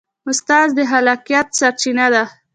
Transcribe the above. استاد د خلاقیت سرچینه ده.